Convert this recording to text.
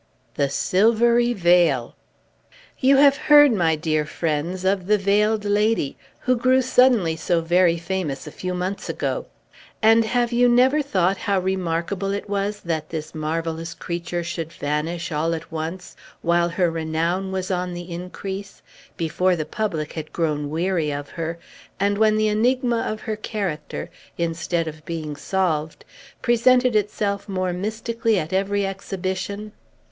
THE SILVERY VEIL You have heard, my dear friends, of the Veiled Lady, who grew suddenly so very famous, a few months ago. And have you never thought how remarkable it was that this marvellous creature should vanish, all at once, while her renown was on the increase, before the public had grown weary of her, and when the enigma of her character, instead of being solved, presented itself more mystically at every exhibition?